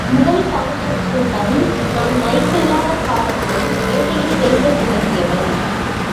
முதல் காங்கிரஸ் கூட்டம் நான் மைக் இல்லாத காலத்தில் மேடையில் பேசத் துவங்கியவன்.